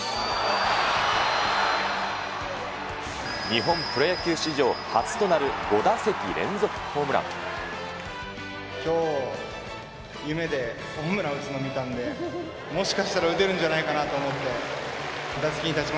日本プロ野球史上初となる５きょう、夢でホームラン打つの見たんで、もしかしたら打てるんじゃないか